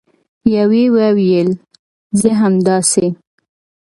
یوې وویل: زه همداسې